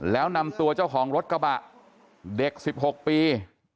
แล้วนำตัวเจ้าของรถกระบะเด็ก๑๖ปี